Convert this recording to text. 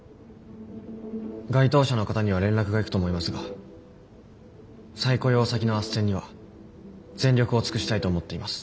該当者の方には連絡がいくと思いますが再雇用先のあっせんには全力を尽くしたいと思っています。